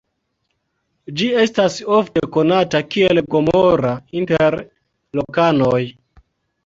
Ĝi estas ofte konata kiel "Gomora" inter lokanoj.